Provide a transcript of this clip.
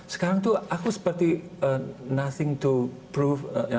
sekarang tuh aku seperti nothing to prove